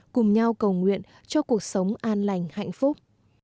cùng nhau cầu nguyện cho cuộc sống an lành hạnh phúc